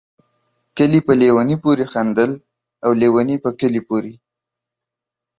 کلي په ليوني پوري خندل ، او ليوني په کلي پوري